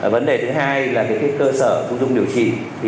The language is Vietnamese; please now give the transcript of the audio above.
vấn đề thứ hai là cơ sở phục dụng điều trị